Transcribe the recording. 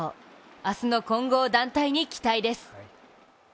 明日の混合団体に期待です。